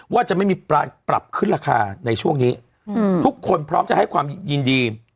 ว่าจะไม่มีปรับขึ้นราคาในช่วงนี้ทุกคนพร้อมจะให้ความยินดี